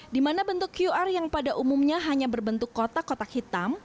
di mana bentuk qr yang pada umumnya hanya berbentuk kotak kotak hitam